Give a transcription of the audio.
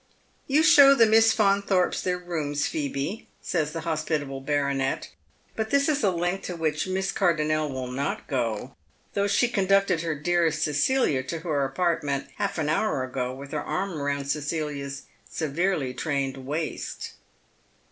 " You show the Mss Faunthorpes their rooms, Phoebe," says the hospitable baronet ; but this is a length to which Miss Car donnel will not go, though she conducted her dearest Cecilia to her apartment half an hour ago with her arm round Cecilia's eeverely trained waist.